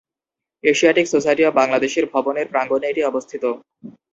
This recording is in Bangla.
এশিয়াটিক সোসাইটি অব বাংলাদেশের ভবনের প্রাঙ্গনে এটি অবস্থিত।